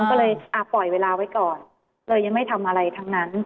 ก็เลยปล่อยเวลาไว้ก่อนเลยยังไม่ทำอะไรทั้งนั้น